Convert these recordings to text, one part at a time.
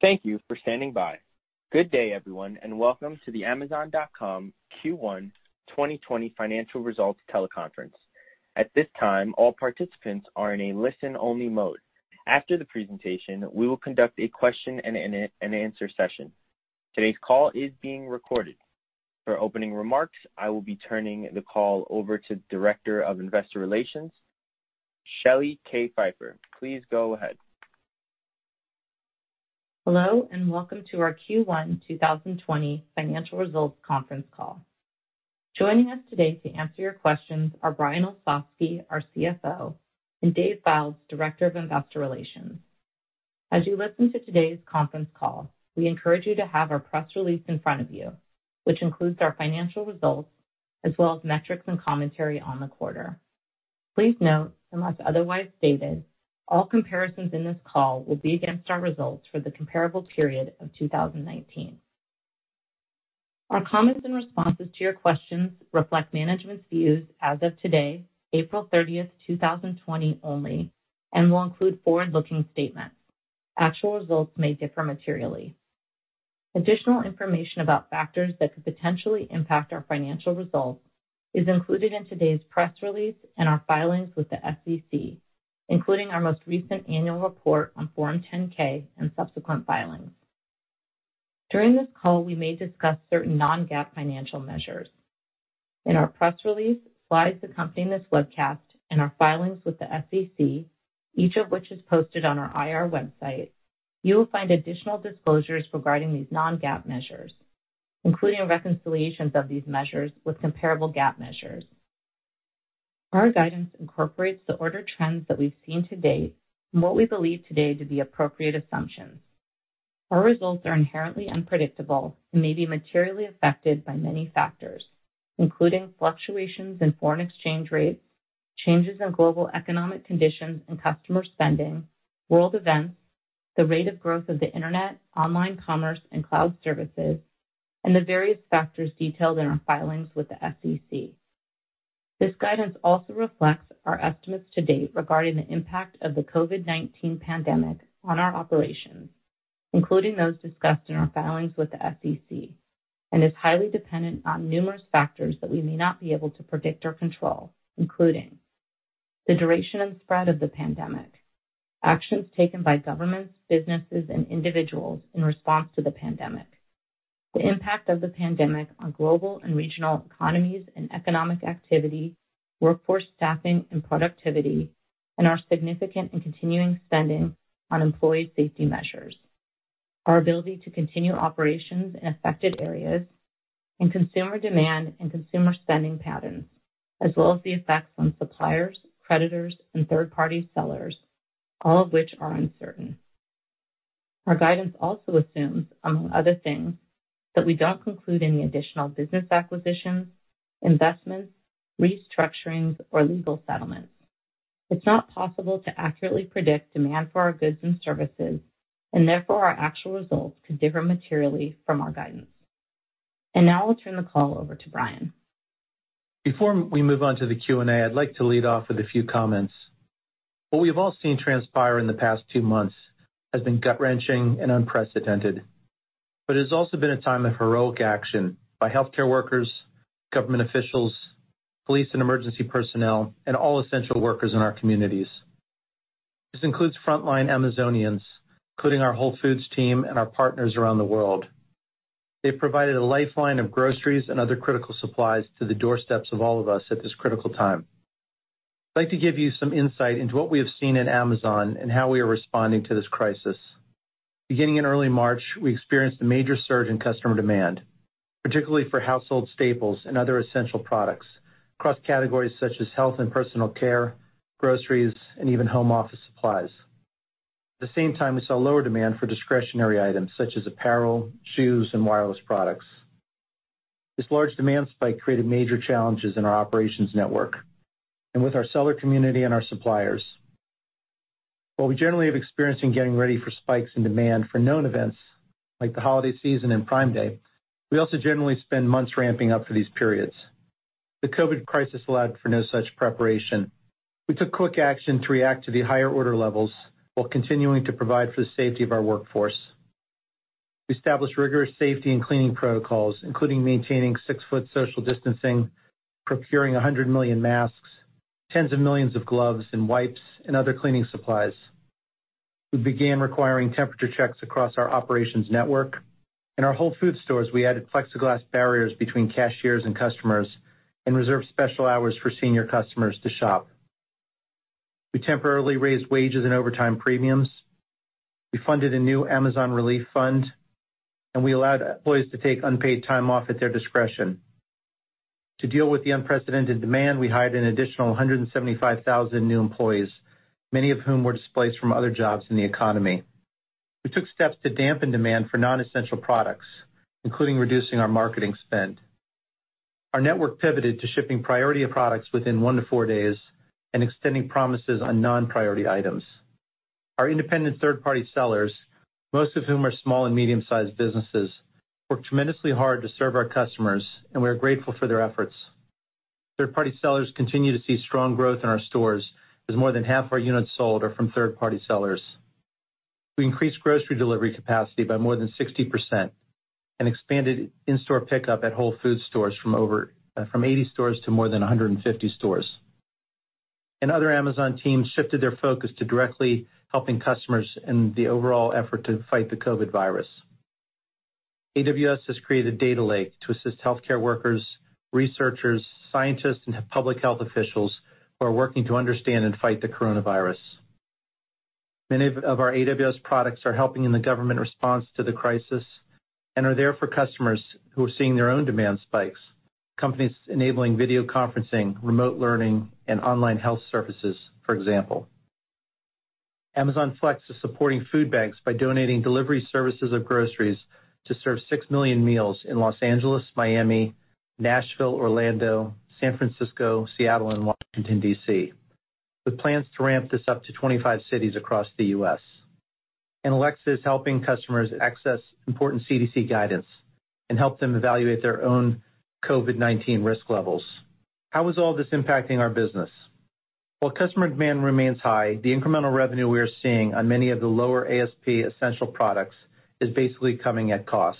Thank you for standing by. Good day, everyone, and welcome to the Amazon.com Q1 2020 financial results teleconference. At this time, all participants are in a listen-only mode. After the presentation, we will conduct a question-and-answer session. Today's call is being recorded. For opening remarks, I will be turning the call over to Director of Investor Relations, Shelly K. Pfeiffer. Please go ahead. Hello, and welcome to our Q1 2020 financial results conference call. Joining us today to answer your questions are Brian Olsavsky, our CFO, and Dave Fildes, Director of Investor Relations. As you listen to today's conference call, we encourage you to have our press release in front of you, which includes our financial results, as well as metrics and commentary on the quarter. Please note, unless otherwise stated, all comparisons in this call will be against our results for the comparable period of 2019. Our comments and responses to your questions reflect management's views as of today, April 30, 2020 only, and will include forward-looking statements. Actual results may differ materially. Additional information about factors that could potentially impact our financial results is included in today's press release and our filings with the SEC, including our most recent annual report on Form 10-K and subsequent filings. During this call, we may discuss certain non-GAAP financial measures. In our press release, slides accompanying this webcast, and our filings with the SEC, each of which is posted on our IR website, you will find additional disclosures regarding these non-GAAP measures, including reconciliations of these measures with comparable GAAP measures. Our guidance incorporates the order trends that we've seen to date and what we believe today to be appropriate assumptions. Our results are inherently unpredictable and may be materially affected by many factors, including fluctuations in foreign exchange rates, changes in global economic conditions and customer spending, world events, the rate of growth of the Internet, online commerce, and cloud services, and the various factors detailed in our filings with the SEC. This guidance also reflects our estimates to date regarding the impact of the COVID-19 pandemic on our operations, including those discussed in our filings with the SEC, and is highly dependent on numerous factors that we may not be able to predict or control, including the duration and spread of the pandemic, actions taken by governments, businesses, and individuals in response to the pandemic, the impact of the pandemic on global and regional economies and economic activity, workforce staffing and productivity, and our significant and continuing spending on employee safety measures, our ability to continue operations in affected areas, and consumer demand and consumer spending patterns, as well as the effects on suppliers, creditors, and third-party sellers, all of which are uncertain. Our guidance also assumes, among other things, that we don't conclude any additional business acquisitions, investments, restructurings, or legal settlements. It's not possible to accurately predict demand for our goods and services, and therefore, our actual results could differ materially from our guidance. Now I'll turn the call over to Brian. Before we move on to the Q&A, I'd like to lead off with a few comments. It has also been a time of heroic action by healthcare workers, government officials, police and emergency personnel, and all essential workers in our communities. This includes frontline Amazonians, including our Whole Foods team and our partners around the world. They've provided a lifeline of groceries and other critical supplies to the doorsteps of all of us at this critical time. I'd like to give you some insight into what we have seen at Amazon and how we are responding to this crisis. Beginning in early March, we experienced a major surge in customer demand, particularly for household staples and other essential products across categories such as health and personal care, groceries, and even home office supplies. At the same time, we saw lower demand for discretionary items such as apparel, shoes, and wireless products. This large demand spike created major challenges in our operations network and with our seller community and our suppliers. While we generally have experience in getting ready for spikes in demand for known events, like the holiday season and Prime Day, we also generally spend months ramping up for these periods. The COVID crisis allowed for no such preparation. We took quick action to react to the higher order levels while continuing to provide for the safety of our workforce. We established rigorous safety and cleaning protocols, including maintaining six-foot social distancing, procuring 100 million masks, tens of millions of gloves and wipes, and other cleaning supplies. We began requiring temperature checks across our operations network. In our Whole Foods stores, we added plexiglass barriers between cashiers and customers and reserved special hours for senior customers to shop. We temporarily raised wages and overtime premiums, we funded a new Amazon Relief Fund, and we allowed employees to take unpaid time off at their discretion. To deal with the unprecedented demand, we hired an additional 175,000 new employees, many of whom were displaced from other jobs in the economy. We took steps to dampen demand for non-essential products, including reducing our marketing spend. Our network pivoted to shipping priority of products within one to four days and extending promises on non-priority items. Our independent third-party sellers, most of whom are small and medium-sized businesses, worked tremendously hard to serve our customers, and we are grateful for their efforts. Third-party sellers continue to see strong growth in our stores, as more than half our units sold are from third-party sellers. We increased grocery delivery capacity by more than 60% and expanded in-store pickup at Whole Foods Market stores from 80 stores to more than 150 stores. Other Amazon teams shifted their focus to directly helping customers in the overall effort to fight the COVID-19. AWS has created AWS COVID-19 data lake to assist healthcare workers, researchers, scientists, and public health officials who are working to understand and fight the COVID-19. Many of our AWS products are helping in the government response to the crisis and are there for customers who are seeing their own demand spikes, companies enabling video conferencing, remote learning, and online health services, for example. Amazon Flex is supporting food banks by donating delivery services of groceries to serve 6 million meals in Los Angeles, Miami, Nashville, Orlando, San Francisco, Seattle, and Washington, D.C., with plans to ramp this up to 25 cities across the U.S. Alexa is helping customers access important CDC guidance, and help them evaluate their own COVID-19 risk levels. How is all this impacting our business? While customer demand remains high, the incremental revenue we are seeing on many of the lower ASP essential products is basically coming at cost.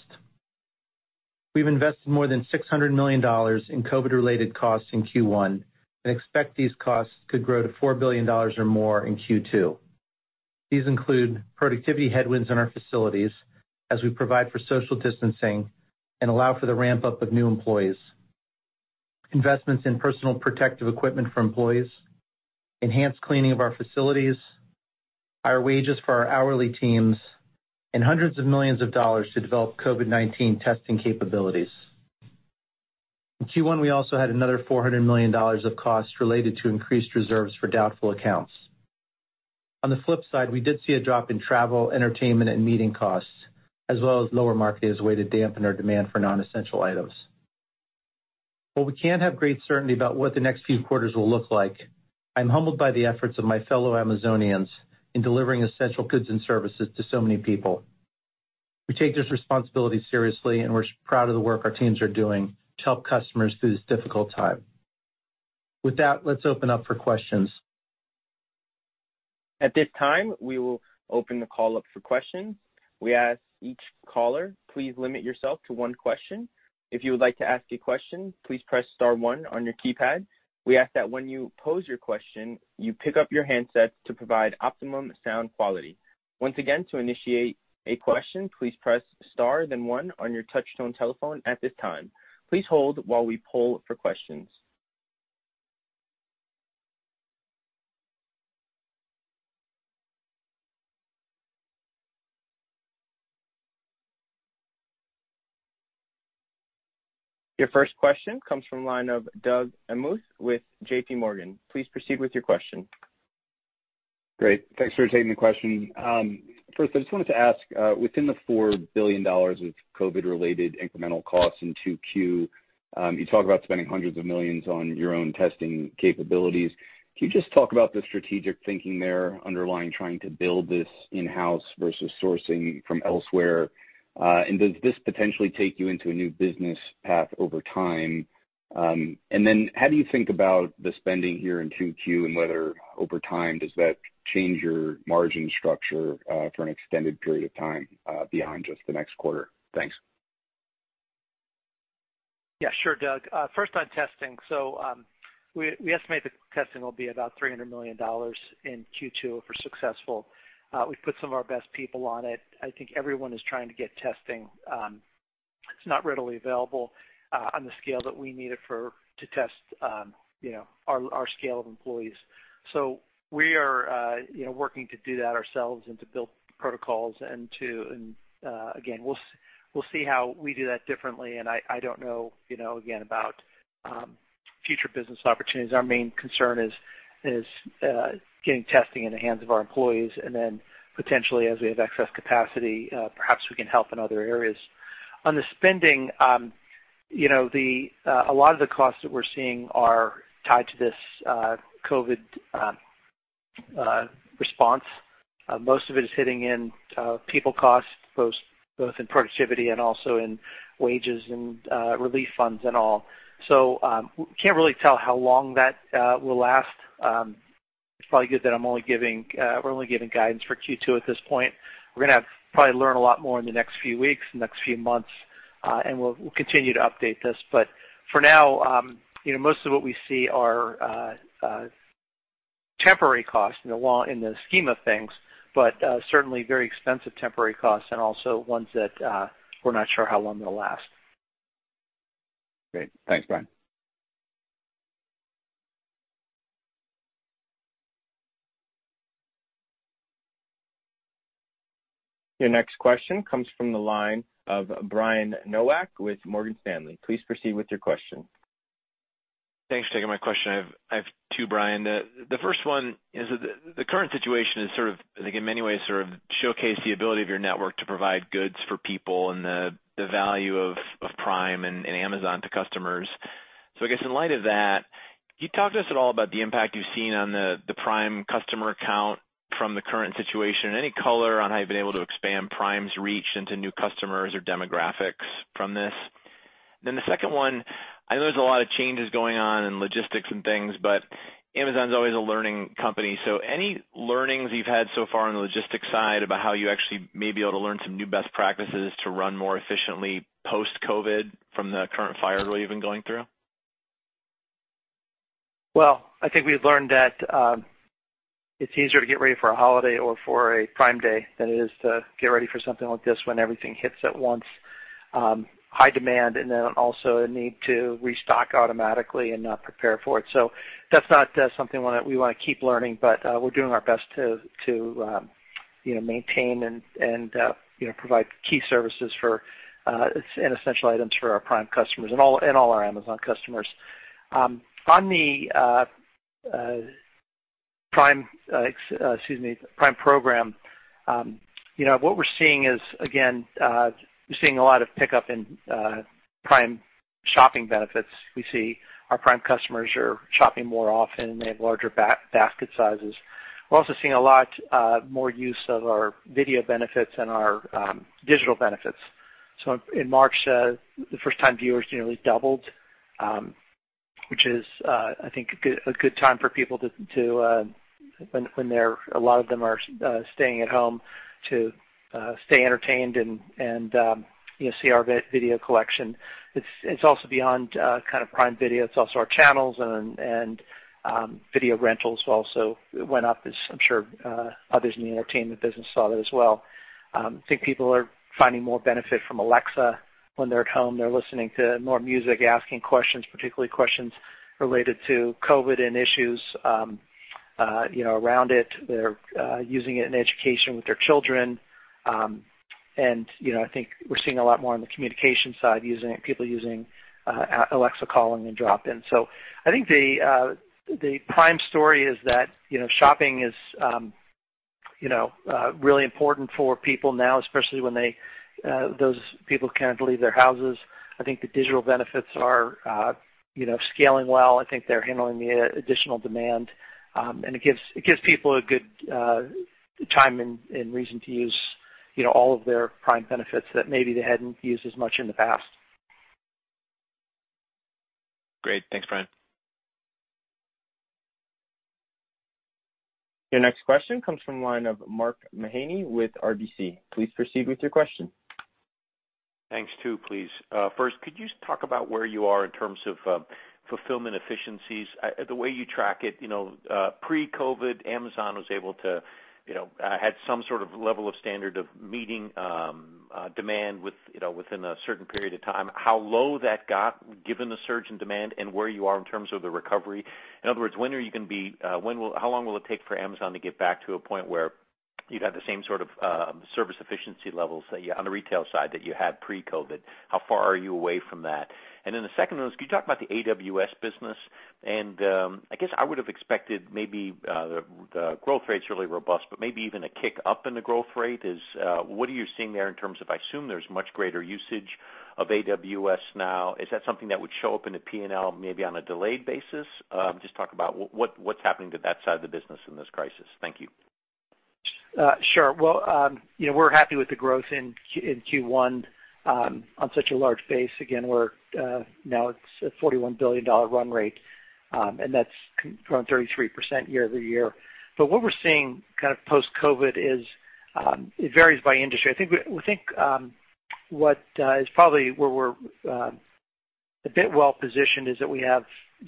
We've invested more than $600 million in COVID-related costs in Q1, and expect these costs could grow to $4 billion or more in Q2. These include productivity headwinds in our facilities as we provide for social distancing and allow for the ramp-up of new employees, investments in personal protective equipment for employees, enhanced cleaning of our facilities, higher wages for our hourly teams, and hundreds of millions of dollars to develop COVID-19 testing capabilities. In Q1, we also had another $400 million of costs related to increased reserves for doubtful accounts. On the flip side, we did see a drop in travel, entertainment, and meeting costs, as well as lower market as a way to dampen our demand for non-essential items. While we can't have great certainty about what the next few quarters will look like, I'm humbled by the efforts of my fellow Amazonians in delivering essential goods and services to so many people. We take this responsibility seriously, and we're proud of the work our teams are doing to help customers through this difficult time. With that, let's open up for questions. At this time, we will open the call up for questions. We ask each caller, please limit yourself to one question. If you would like to ask a question, please press star one on your keypad. We ask that when you pose your question, you pick up your handsets to provide optimum sound quality. Once again, to initiate a question, please press star then one on your touchtone telephone at this time. Please hold while we poll for questions. Your first question comes from the line of Doug Anmuth with J.P. Morgan. Please proceed with your question. Great. Thanks for taking the question. First, I just wanted to ask, within the $4 billion of COVID-related incremental costs in 2Q, you talk about spending hundreds of millions on your own testing capabilities. Can you just talk about the strategic thinking there underlying trying to build this in-house versus sourcing from elsewhere? Does this potentially take you into a new business path over time? How do you think about the spending here in 2Q and whether over time, does that change your margin structure for an extended period of time beyond just the next quarter? Thanks. Yeah, sure, Doug. First on testing. We estimate the testing will be about $300 million in Q2 if we're successful. We've put some of our best people on it. I think everyone is trying to get testing. It's not readily available on the scale that we need it for to test our scale of employees. We are working to do that ourselves and to build protocols. Again, we'll see how we do that differently, and I don't know again, about future business opportunities. Our main concern is getting testing in the hands of our employees, and then potentially as we have excess capacity, perhaps we can help in other areas. On the spending, a lot of the costs that we're seeing are tied to this COVID response. Most of it is hitting in people costs, both in productivity and also in wages and relief funds and all. We can't really tell how long that will last. It's probably good that we're only giving guidance for Q2 at this point. We're going to probably learn a lot more in the next few weeks, the next few months, and we'll continue to update this. For now, most of what we see are temporary costs in the scheme of things, but certainly very expensive temporary costs and also ones that we're not sure how long they'll last. Great. Thanks, Brian. Your next question comes from the line of Brian Nowak with Morgan Stanley. Please proceed with your question. Thanks for taking my question. I have two, Brian. The first one is, the current situation has, I think, in many ways showcased the ability of your network to provide goods for people and the value of Prime and Amazon to customers. I guess in light of that. Can you talk to us at all about the impact you've seen on the Prime customer count from the current situation? Any color on how you've been able to expand Prime's reach into new customers or demographics from this? The second one, I know there's a lot of changes going on in logistics and things, but Amazon's always a learning company. Any learnings you've had so far on the logistics side about how you actually may be able to learn some new best practices to run more efficiently post-COVID from the current fire drill you've been going through? Well, I think we've learned that it's easier to get ready for a holiday or for a Prime Day than it is to get ready for something like this when everything hits at once. High demand, also a need to restock automatically and not prepare for it. That's not something we want to keep learning, but we're doing our best to maintain and provide key services for, and essential items for our Prime customers, and all our Amazon customers. On the Prime program, what we're seeing is, again, we're seeing a lot of pickup in Prime shopping benefits. We see our Prime customers are shopping more often, and they have larger basket sizes. We're also seeing a lot more use of our video benefits and our digital benefits. In March, the first-time viewers nearly doubled, which is, I think, a good time for people, when a lot of them are staying at home, to stay entertained and see our video collection. It's also beyond Prime Video. It's also our channels, and video rentals also went up, as I'm sure others in the entertainment business saw that as well. I think people are finding more benefit from Alexa when they're at home. They're listening to more music, asking questions, particularly questions related to COVID and issues around it. They're using it in education with their children. I think we're seeing a lot more on the communication side, people using Alexa Calling and Drop In. I think the Prime story is that shopping is really important for people now, especially when those people can't leave their houses. I think the digital benefits are scaling well. I think they're handling the additional demand. It gives people a good time and reason to use all of their Prime benefits that maybe they hadn't used as much in the past. Great. Thanks, Brian. Your next question comes from the line of Mark Mahaney with RBC. Please proceed with your question. Thanks. Two, please. First, could you talk about where you are in terms of fulfillment efficiencies? The way you track it pre-COVID, Amazon had some sort of level of standard of meeting demand within a certain period of time. How low that got, given the surge in demand, and where you are in terms of the recovery? In other words, how long will it take for Amazon to get back to a point where you'd have the same sort of service efficiency levels on the retail side that you had pre-COVID? How far are you away from that? The second one is, can you talk about the AWS business? I guess I would have expected maybe the growth rate's really robust, but maybe even a kick up in the growth rate. What are you seeing there in terms of, I assume there's much greater usage of AWS now. Is that something that would show up in the P&L maybe on a delayed basis? Just talk about what's happening to that side of the business in this crisis. Thank you. Well, we're happy with the growth in Q1 on such a large base. Now it's a $41 billion run rate, and that's grown 33% year-over-year. What we're seeing post-COVID is it varies by industry. I think what is probably where we're a bit well-positioned is that we have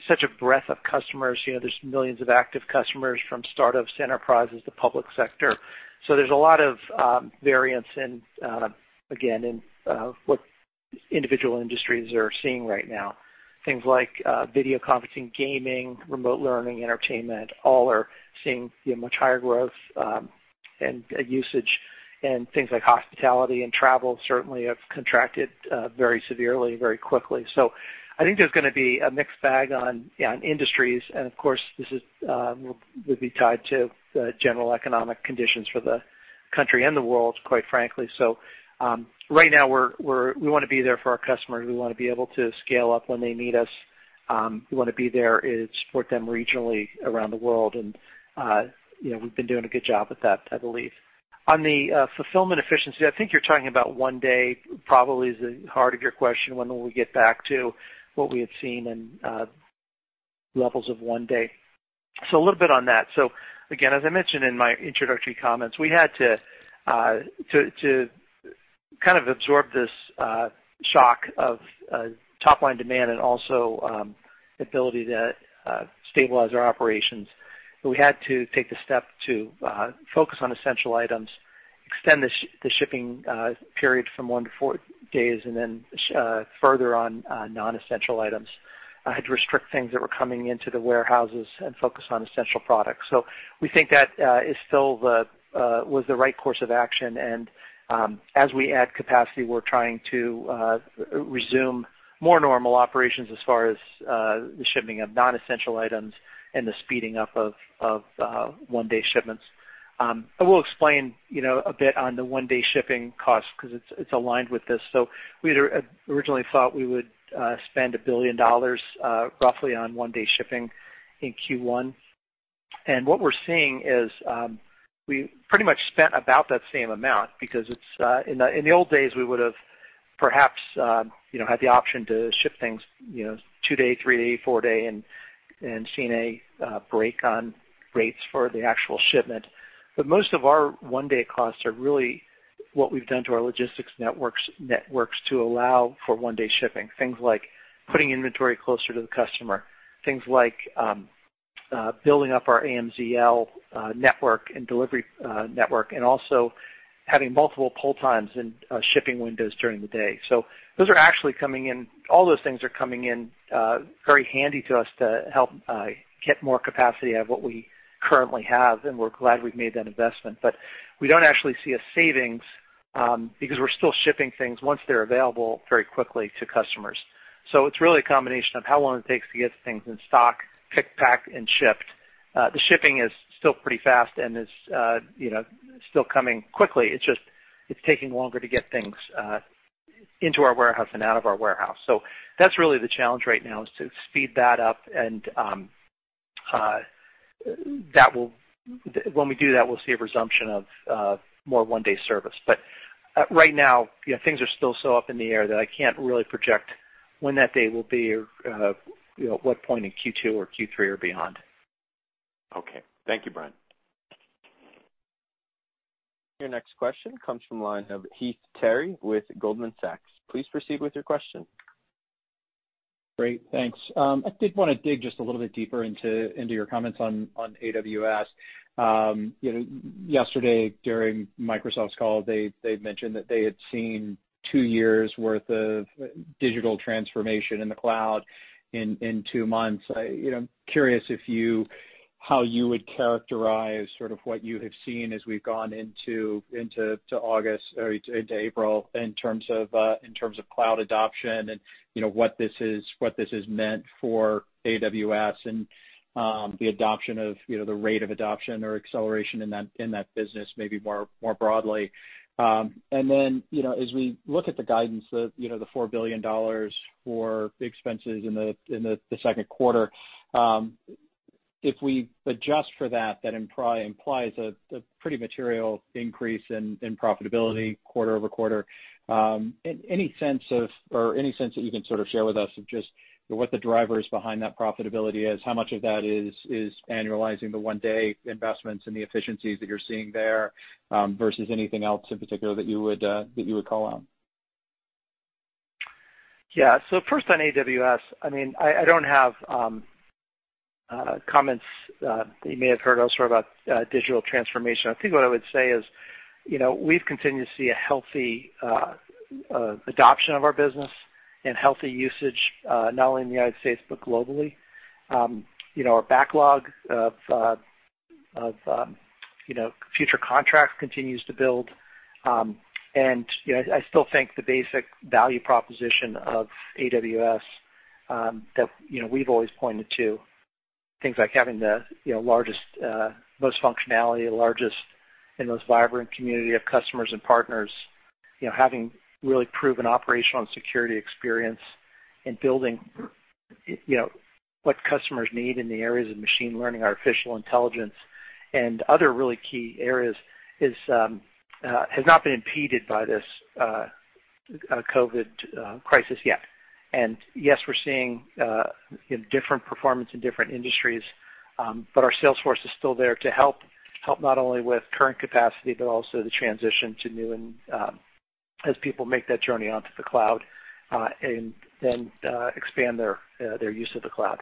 such a breadth of customers. There's millions of active customers from startups to enterprises to public sector. There's a lot of variance, again, in what individual industries are seeing right now. Things like video conferencing, gaming, remote learning, entertainment, all are seeing much higher growth and usage. Things like hospitality and travel certainly have contracted very severely, very quickly. I think there's going to be a mixed bag on industries. Of course, this would be tied to the general economic conditions for the country and the world, quite frankly. Right now, we want to be there for our customers. We want to be able to scale up when they need us. We want to be there and support them regionally around the world. We've been doing a good job with that, I believe. On the fulfillment efficiency, I think you're talking about one-day probably is the heart of your question, when will we get back to what we had seen in levels of one-day. A little bit on that. Again, as I mentioned in my introductory comments, we had to kind of absorb this shock of top-line demand and also ability to stabilize our operations. We had to take the step to focus on essential items, extend the shipping period from one to four days, and then further on non-essential items, had to restrict things that were coming into the warehouses and focus on essential products. We think that was the right course of action, and as we add capacity, we're trying to resume more normal operations as far as the shipping of non-essential items and the speeding up of one-day shipments. I will explain a bit on the one-day shipping cost because it's aligned with this. We had originally thought we would spend $1 billion roughly on one-day shipping in Q1. And what we're seeing is we pretty much spent about that same amount because in the old days, we would have perhaps had the option to ship things two-day, three-day, four-day, and seen a break on rates for the actual shipment. Most of our one-day costs are really what we've done to our logistics networks to allow for one-day shipping, things like putting inventory closer to the customer, things like building up our AMZL network and delivery network, and also having multiple pull times and shipping windows during the day. All those things are coming in very handy to us to help get more capacity out of what we currently have, and we're glad we've made that investment. We don't actually see a savings because we're still shipping things, once they're available, very quickly to customers. It's really a combination of how long it takes to get things in stock, picked, packed, and shipped. The shipping is still pretty fast and is still coming quickly. It's just taking longer to get things into our warehouse and out of our warehouse. That's really the challenge right now, is to speed that up, and when we do that, we'll see a resumption of more one-day service. But right now, things are still so up in the air that I can't really project when that day will be, or what point in Q2 or Q3 or beyond. Okay. Thank you, Brian. Your next question comes from the line of Heath Terry with Goldman Sachs. Please proceed with your question. Great, thanks. I did want to dig just a little bit deeper into your comments on AWS. Yesterday, during Microsoft's call, they mentioned that they had seen two years' worth of digital transformation in the cloud in two months. I'm curious how you would characterize what you have seen as we've gone into April in terms of cloud adoption and what this has meant for AWS and the rate of adoption or acceleration in that business, maybe more broadly. Then, as we look at the guidance, the $4 billion for expenses in the second quarter, if we adjust for that implies a pretty material increase in profitability quarter-over-quarter. Any sense that you can sort of share with us of just what the drivers behind that profitability is? How much of that is annualizing the one-day investments and the efficiencies that you're seeing there versus anything else in particular that you would call out? First on AWS, I don't have comments that you may have heard elsewhere about digital transformation. I think what I would say is we've continued to see a healthy adoption of our business and healthy usage, not only in the U.S., but globally. Our backlog of future contracts continues to build. I still think the basic value proposition of AWS that we've always pointed to, things like having the largest, most functionality, largest and most vibrant community of customers and partners, having really proven operational and security experience, and building what customers need in the areas of machine learning, artificial intelligence, and other really key areas, has not been impeded by this COVID crisis yet. Yes, we're seeing different performance in different industries, but our sales force is still there to help, not only with current capacity, but also the transition to new, and as people make that journey onto the cloud and expand their use of the cloud.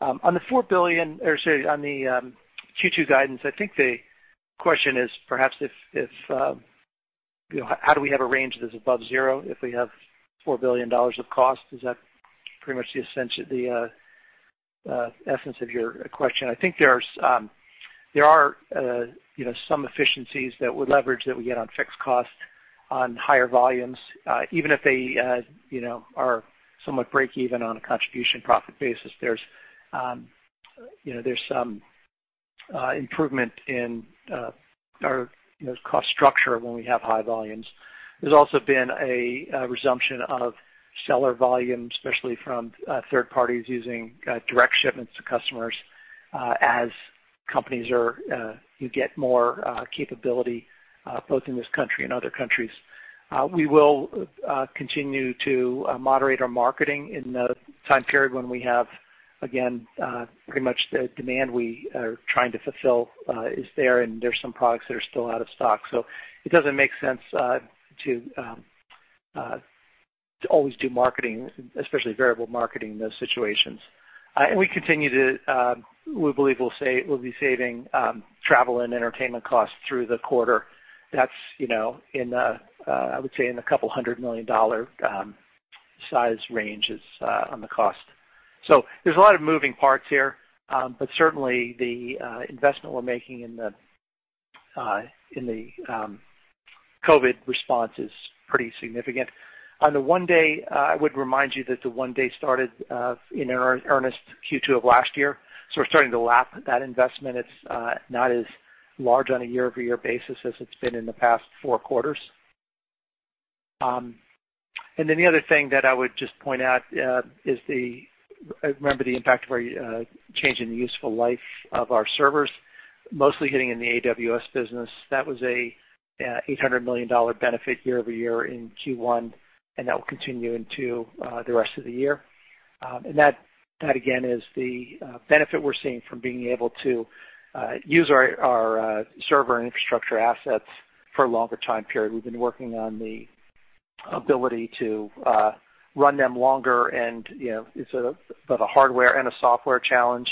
On the Q2 guidance, I think the question is perhaps how do we have a range that is above zero if we have $4 billion of cost? Is that pretty much the essence of your question? I think there are some efficiencies that we leverage that we get on fixed cost on higher volumes. Even if they are somewhat break-even on a contribution profit basis, there's some improvement in our cost structure when we have high volumes. There's also been a resumption of seller volume, especially from third parties using direct shipments to customers as companies get more capability, both in this country and other countries. We will continue to moderate our marketing in the time period when we have, again, pretty much the demand we are trying to fulfill is there, and there's some products that are still out of stock. It doesn't make sense to always do marketing, especially variable marketing, in those situations. We believe we'll be saving travel and entertainment costs through the quarter. That's, I would say, in the couple hundred million dollar size range on the cost. There's a lot of moving parts here, but certainly the investment we're making in the COVID response is pretty significant. On the one-day, I would remind you that the one-day started in earnest Q2 of last year, so we're starting to lap that investment. It's not as large on a year-over-year basis as it's been in the past four quarters. The other thing that I would just point out is, remember the impact of our change in the useful life of our servers, mostly hitting in the AWS business. That was a $800 million benefit year-over-year in Q1. That will continue into the rest of the year. That again is the benefit we're seeing from being able to use our server and infrastructure assets for a longer time period. We've been working on the ability to run them longer. It's both a hardware and a software challenge.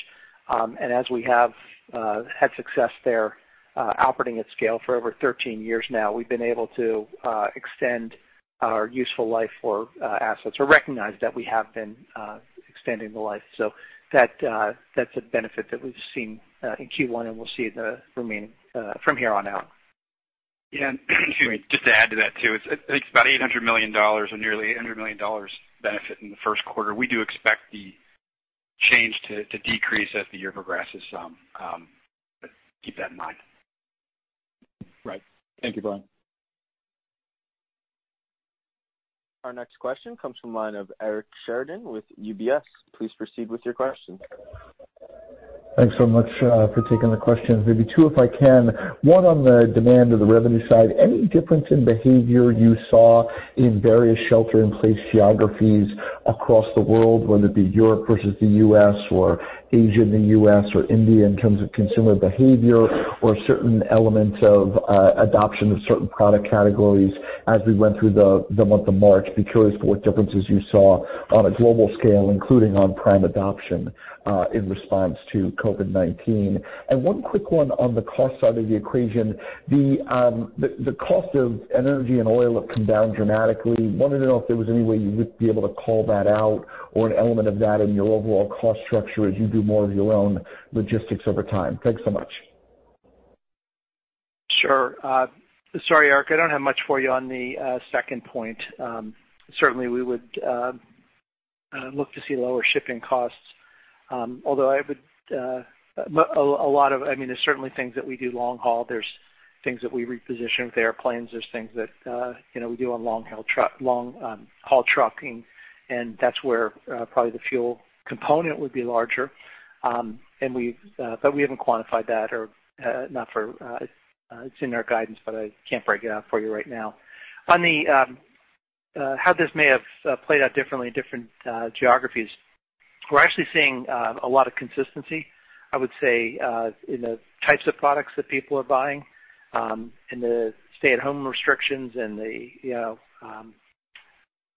As we have had success there, operating at scale for over 13 years now, we've been able to extend our useful life for assets, or recognize that we have been extending the life. That's a benefit that we've seen in Q1, and we'll see from here on out. Yeah. Just to add to that, too, it's about $800 million, or nearly $800 million benefit in the first quarter. We do expect the change to decrease as the year progresses. Keep that in mind. Right. Thank you, Brian. Our next question comes from the line of Eric Sheridan with UBS. Please proceed with your question. Thanks so much for taking the questions. Maybe two, if I can. One on the demand of the revenue side, any difference in behavior you saw in various shelter-in-place geographies across the world, whether it be Europe versus the U.S., or Asia and the U.S., or India, in terms of consumer behavior or certain elements of adoption of certain product categories as we went through the month of March? Be curious for what differences you saw on a global scale, including on Prime adoption, in response to COVID-19. One quick one on the cost side of the equation. The cost of energy and oil have come down dramatically. Wanted to know if there was any way you would be able to call that out or an element of that in your overall cost structure as you do more of your own logistics over time. Thanks so much. Sure. Sorry, Eric, I don't have much for you on the second point. Although, there's certainly things that we do long haul. There's things that we reposition with airplanes. There's things that we do on long haul trucking, and that's where probably the fuel component would be larger. We haven't quantified that, or it's in our guidance, but I can't break it out for you right now. On how this may have played out differently in different geographies, we're actually seeing a lot of consistency, I would say, in the types of products that people are buying, and the stay-at-home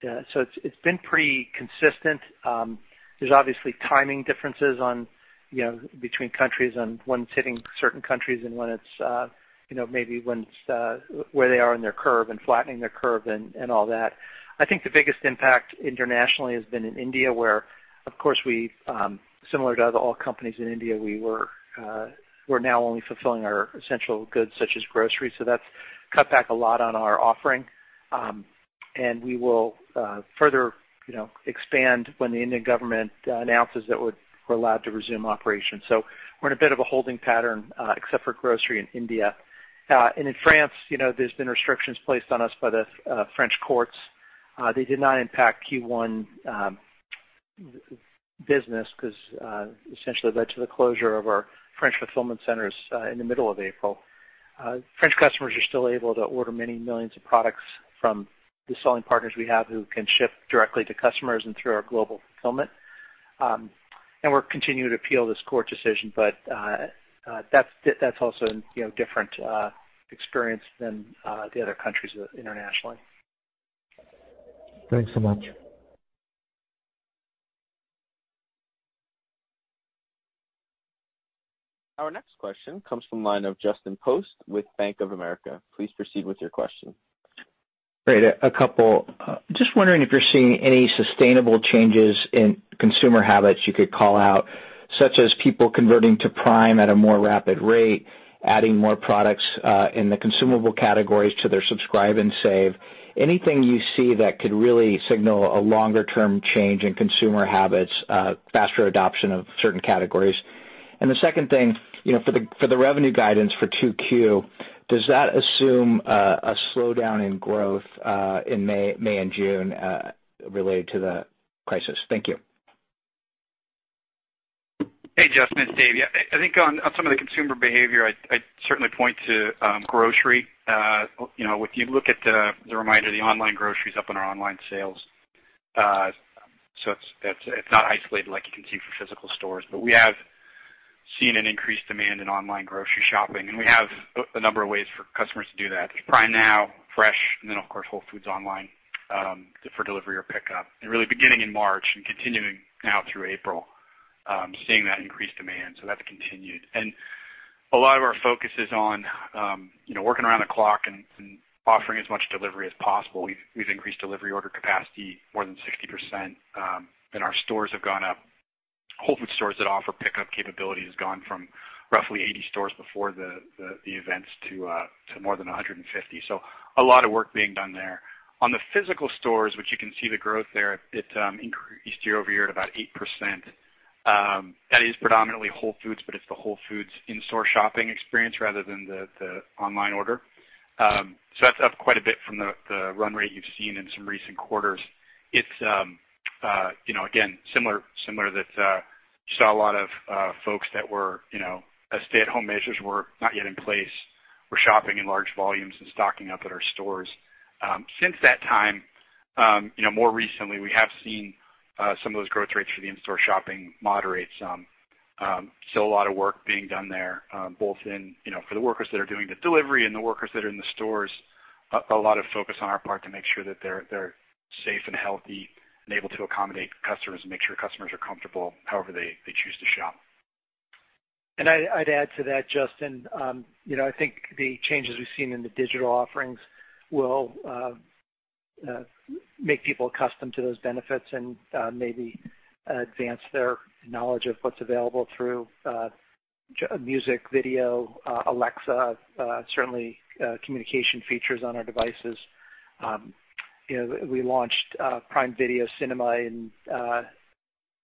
restrictions. It's been pretty consistent. There's obviously timing differences between countries on when it's hitting certain countries and where they are in their curve, and flattening their curve, and all that. I think the biggest impact internationally has been in India, where, of course, similar to all companies in India, we're now only fulfilling our essential goods such as grocery. That's cut back a lot on our offering. We will further expand when the Indian government announces that we're allowed to resume operations. We're in a bit of a holding pattern, except for grocery in India. In France, there's been restrictions placed on us by the French courts. They did not impact Q1 business, because essentially it led to the closure of our French fulfillment centers in the middle of April. French customers are still able to order many millions of products from the selling partners we have who can ship directly to customers and through our global fulfillment. We're continuing to appeal this court decision. That's also a different experience than the other countries internationally. Thanks so much. Our next question comes from the line of Justin Post with Bank of America. Please proceed with your question. Great. A couple. Just wondering if you're seeing any sustainable changes in consumer habits you could call out, such as people converting to Prime at a more rapid rate, adding more products in the consumable categories to their Subscribe & Save. Anything you see that could really signal a longer-term change in consumer habits, faster adoption of certain categories? The second thing, for the revenue guidance for Q2, does that assume a slowdown in growth in May and June related to the crisis? Thank you. Hey, Justin, it's Dave. Yeah, I think on some of the consumer behavior, I'd certainly point to grocery. If you look at the reminder, the online grocery is up on our online sales. It's not isolated like you can see for physical stores. We have seen an increased demand in online grocery shopping, and we have a number of ways for customers to do that. There's Prime Now, Fresh, and then, of course, Whole Foods online for delivery or pickup. Really beginning in March and continuing now through April, seeing that increased demand. That's continued. A lot of our focus is on working around the clock and offering as much delivery as possible. We've increased delivery order capacity more than 60%, and our stores have gone up. Whole Foods stores that offer pickup capability has gone from roughly 80 stores before the events to more than 150. A lot of work being done there. On the physical stores, which you can see the growth there, it increased year-over-year at about 8%. That is predominantly Whole Foods. It's the Whole Foods in-store shopping experience rather than the online order. That's up quite a bit from the run rate you've seen in some recent quarters. It's, again, similar that you saw a lot of folks that were, as stay-at-home measures were not yet in place, were shopping in large volumes and stocking up at our stores. Since that time, more recently, we have seen some of those growth rates for the in-store shopping moderate some. Still a lot of work being done there, both for the workers that are doing the delivery and the workers that are in the stores, a lot of focus on our part to make sure that they're safe and healthy and able to accommodate customers, and make sure customers are comfortable however they choose to shop. I'd add to that, Justin. I think the changes we've seen in the digital offerings will make people accustomed to those benefits and maybe advance their knowledge of what's available through music, video, Alexa, certainly communication features on our devices. We launched Prime Video Cinema in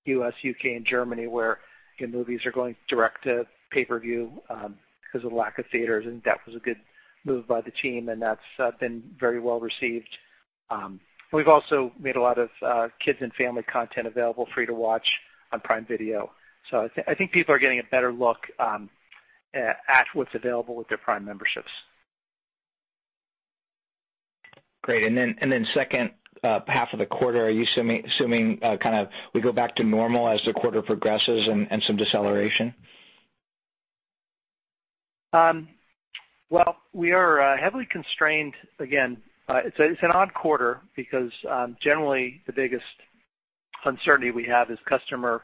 U.S., U.K., and Germany, where movies are going direct to pay-per-view because of the lack of theaters, and that was a good move by the team, and that's been very well received. We've also made a lot of kids and family content available free to watch on Prime Video. I think people are getting a better look at what's available with their Prime memberships. Second half of the quarter, are you assuming we go back to normal as the quarter progresses and some deceleration? Well, we are heavily constrained. Again, it's an odd quarter because generally the biggest uncertainty we have is customer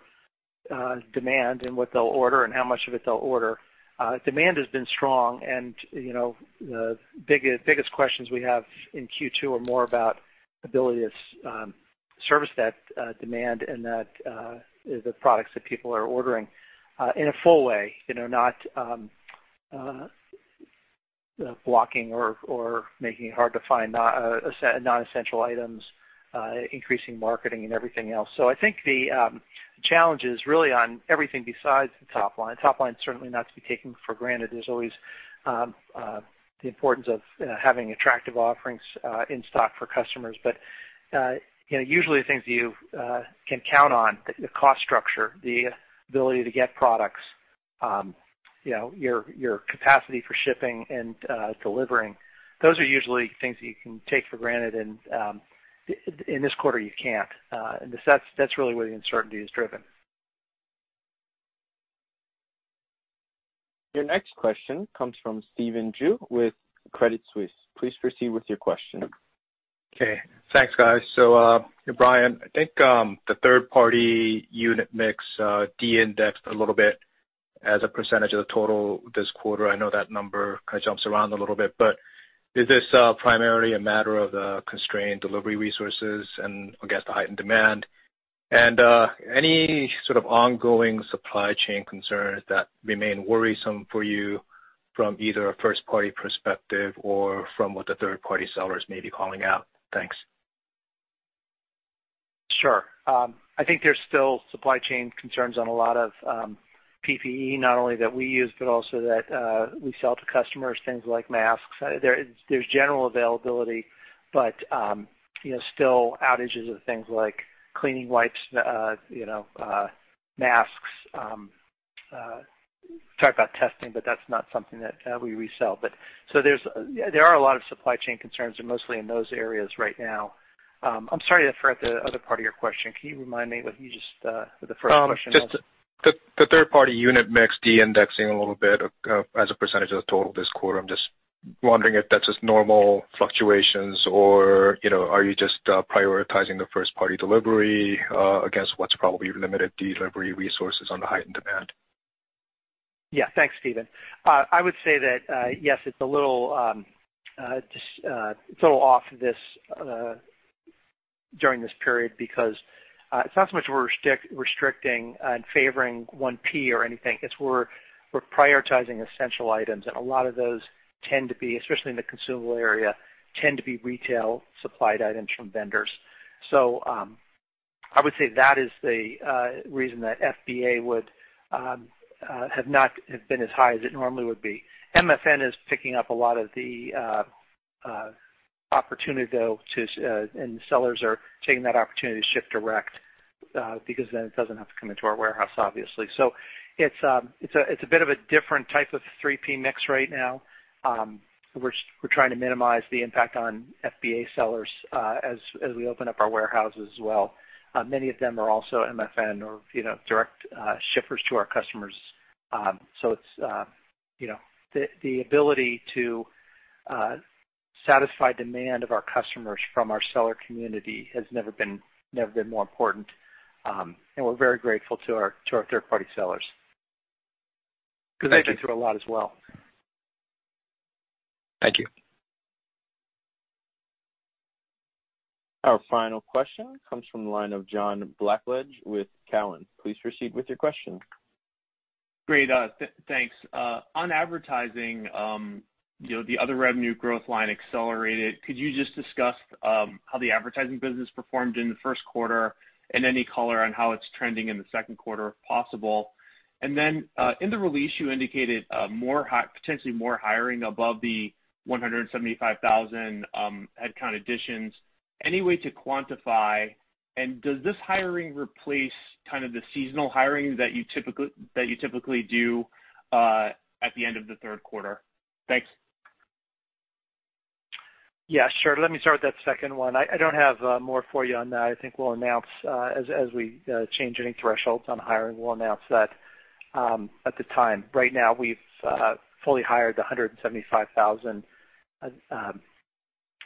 demand and what they'll order and how much of it they'll order. Demand has been strong, and the biggest questions we have in Q2 are more about ability to service that demand and the products that people are ordering in a full way, not blocking or making it hard to find non-essential items, increasing marketing, and everything else. I think the challenge is really on everything besides the top line. Top line's certainly not to be taken for granted. There's always the importance of having attractive offerings in stock for customers. Usually the things you can count on, the cost structure, the ability to get products, your capacity for shipping and delivering, those are usually things that you can take for granted, and in this quarter you can't. That's really where the uncertainty is driven. Your next question comes from Stephen Ju with Credit Suisse. Please proceed with your question. Okay, thanks, guys. Brian, I think the third-party unit mix de-indexed a little bit as a % of the total this quarter. I know that number kind of jumps around a little bit, is this primarily a matter of the constrained delivery resources and, I guess, the heightened demand? Any sort of ongoing supply chain concerns that remain worrisome for you from either a first-party perspective or from what the third-party sellers may be calling out? Thanks. Sure. I think there's still supply chain concerns on a lot of PPE, not only that we use, but also that we sell to customers, things like masks. There's general availability, but still outages of things like cleaning wipes, masks. Sorry about testing, but that's not something that we resell. There are a lot of supply chain concerns, mostly in those areas right now. I'm sorry, I forgot the other part of your question. Can you remind me what the first question was? Just the third-party unit mix de-indexing a little bit as a percentage of the total this quarter. I'm just wondering if that's just normal fluctuations or are you just prioritizing the first-party delivery against what's probably limited delivery resources on the heightened demand? Yeah. Thanks, Stephen. Yes, it's a little off during this period because it's not so much we're restricting and favoring 1P or anything. It's we're prioritizing essential items, and a lot of those, especially in the consumable area, tend to be retail supplied items from vendors. That is the reason that FBA would have not been as high as it normally would be. MFN is picking up a lot of the opportunity, though, and sellers are taking that opportunity to ship direct because then it doesn't have to come into our warehouse, obviously. It's a bit of a different type of 3P mix right now. We're trying to minimize the impact on FBA sellers as we open up our warehouses as well. Many of them are also MFN or direct shippers to our customers. The ability to satisfy demand of our customers from our seller community has never been more important. We're very grateful to our third-party sellers. Thank you. Because they've been through a lot as well. Thank you. Our final question comes from the line of John Blackledge with Cowen. Please proceed with your question. Great. Thanks. On advertising, the other revenue growth line accelerated. Could you just discuss how the advertising business performed in the first quarter and any color on how it's trending in the second quarter, if possible? Then, in the release you indicated potentially more hiring above the 175,000 headcount additions. Any way to quantify? Does this hiring replace the seasonal hiring that you typically do at the end of the third quarter? Thanks. Yeah, sure. Let me start with that second one. I don't have more for you on that. I think we'll announce, as we change any thresholds on hiring, we'll announce that at the time. Right now, we've fully hired the 175,000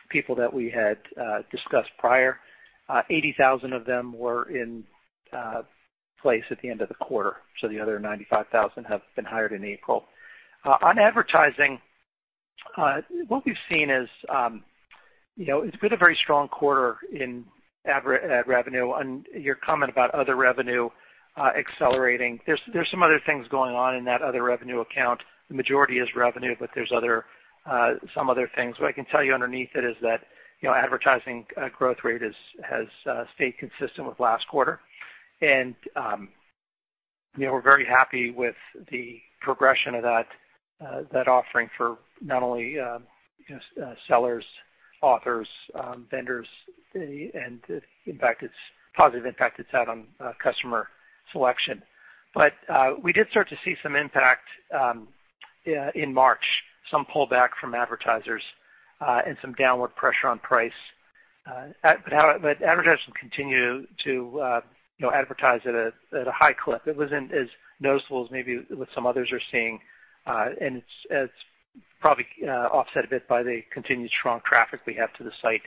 people that we had discussed prior. 80,000 of them were in place at the end of the quarter. The other 95,000 have been hired in April. On advertising, what we've seen is, it's been a very strong quarter in ad revenue. Your comment about other revenue accelerating, there's some other things going on in that other revenue account. The majority is revenue. There's some other things. What I can tell you underneath it is that advertising growth rate has stayed consistent with last quarter. We're very happy with the progression of that offering for not only sellers, authors, vendors, and the positive impact it's had on customer selection. We did start to see some impact in March, some pullback from advertisers, and some downward pressure on price. Advertisers will continue to advertise at a high clip. It wasn't as noticeable as maybe what some others are seeing. It's probably offset a bit by the continued strong traffic we have to the site.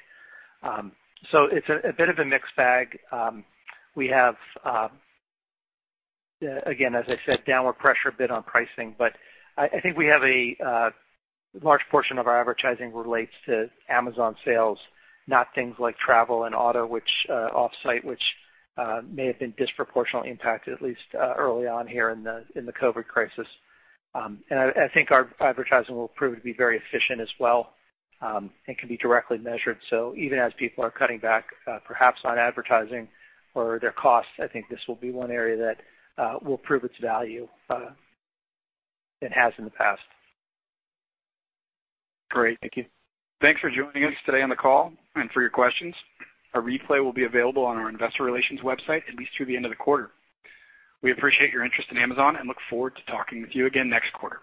It's a bit of a mixed bag. We have, again, as I said, downward pressure a bit on pricing. I think we have a large portion of our advertising relates to Amazon sales, not things like travel and auto, off-site, which may have been disproportionately impacted, at least early on here in the COVID crisis. I think our advertising will prove to be very efficient as well, and can be directly measured. Even as people are cutting back perhaps on advertising or their costs, I think this will be one area that will prove its value. It has in the past. Great. Thank you. Thanks for joining us today on the call and for your questions. A replay will be available on our investor relations website at least through the end of the quarter. We appreciate your interest in Amazon and look forward to talking with you again next quarter.